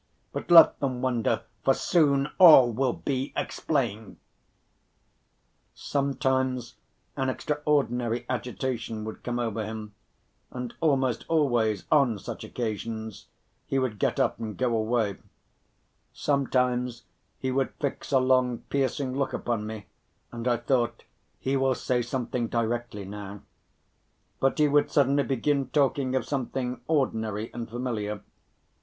But let them wonder, for soon all will be explained." Sometimes an extraordinary agitation would come over him, and almost always on such occasions he would get up and go away. Sometimes he would fix a long piercing look upon me, and I thought, "He will say something directly now." But he would suddenly begin talking of something ordinary and familiar.